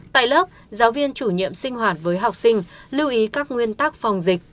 tại lớp giáo viên chủ nhiệm sinh hoạt với học sinh lưu ý các nguyên tắc phòng dịch